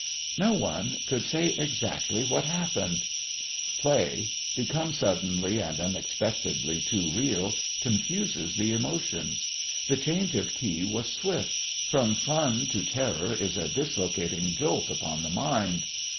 No one could say exactly what happened. Play, become suddenly and unexpectedly too real, confuses the emotions. The change of key was swift. From fun to terror is a dislocating jolt upon the mind.